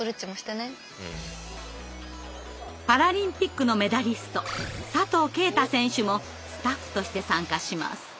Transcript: パラリンピックのメダリスト佐藤圭太選手もスタッフとして参加します。